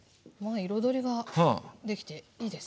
彩りができていいですね。